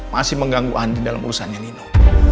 masih mengganggu andi dalam urusannya nino